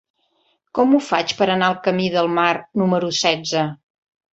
Com ho faig per anar al camí del Mar número setze?